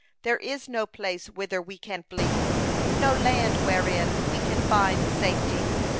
There is no place whither we can flee, no land wherein we can find safety.